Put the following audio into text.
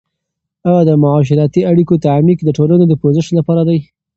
آیا د معاشرتي اړیکو تعمیق د ټولنو د پوزش لپاره دی؟